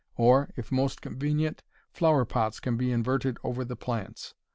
Or, if most convenient, flower pots can be inverted over the plants.